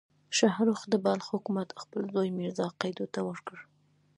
شاهرخ د بلخ حکومت خپل زوی میرزا قیدو ته ورکړ.